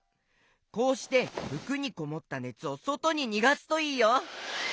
こうしてふくにこもったねつをそとににがすといいよ！